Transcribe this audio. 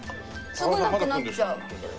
すぐなくなっちゃう。